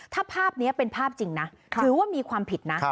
ถ้าภาพนี้เป็นภาพจริงนะถือว่ามีความผิดนะ